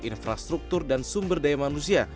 infrastruktur dan sumber daya manusia